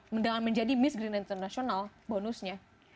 mendingan menjadi miss green international bonusnya